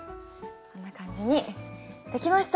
こんな感じにできました！